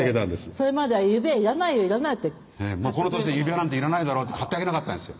それまでは「指輪いらないよ」って「指輪なんていらないだろう」って買ってあげなかったんですよ